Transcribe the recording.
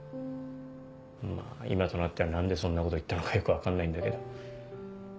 まぁ今となっては何でそんなこと言ったのかよく分かんないんだけど。